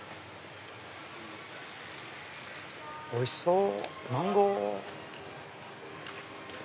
おいしそう！